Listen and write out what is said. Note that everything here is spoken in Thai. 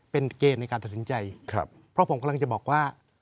เป็นเกณฑ์ในการตัดสินใจเพราะผมกำลังจะบอกว่า